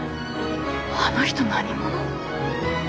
あの人何者？